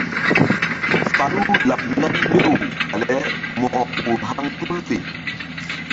Falu laɓ nam mbew bale Mo̧ko ur haŋ tul fe.